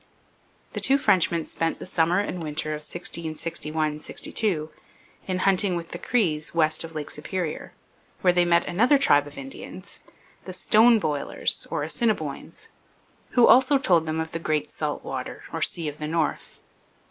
The two Frenchmen spent the summer and winter of 1661 62 in hunting with the Crees west of Lake Superior, where they met another tribe of Indians the Stone Boilers, or Assiniboines who also told them of the great salt water, or Sea of the North.